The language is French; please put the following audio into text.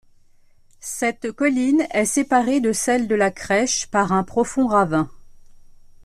Cette colline est séparée de celle de la Crèche par un profond ravin.